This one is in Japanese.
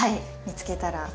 見つけたら。